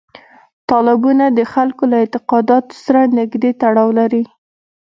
تالابونه د خلکو له اعتقاداتو سره نږدې تړاو لري.